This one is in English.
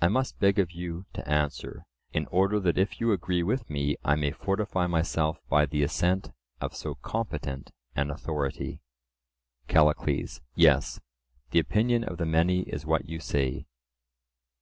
—I must beg of you to answer, in order that if you agree with me I may fortify myself by the assent of so competent an authority. CALLICLES: Yes; the opinion of the many is what you say.